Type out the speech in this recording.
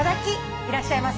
いらっしゃいませ。